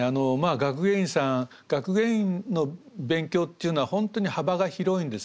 学芸員さん学芸員の勉強っていうのは本当に幅が広いんですね。